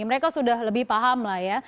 mereka sudah lebih paham lah ya